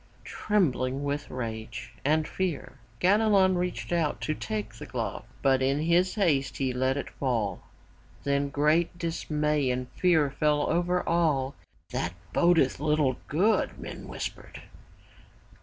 Trembling with rage and fear Ganelon reached out to take the glove, but in his haste he let it fall. Then great dismay and fear fell over all. ''That bodeth little good,'' men whispered.